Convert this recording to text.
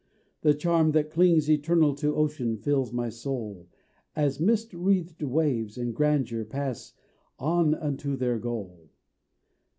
The charm that clings eternal to ocean fills my soul, As mist wreathed waves in grandeur pass on unto their goal!